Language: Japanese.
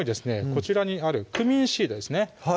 こちらにあるクミンシードですね